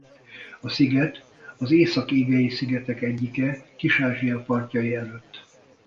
A sziget az Észak-Égei-szigetek egyike Kis-Ázsia partjai előtt.